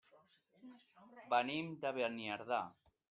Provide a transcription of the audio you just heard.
Venim de Beniardà.